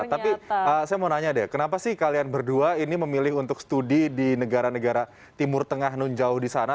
tapi saya mau nanya deh kenapa sih kalian berdua ini memilih untuk studi di negara negara timur tengah nunjau di sana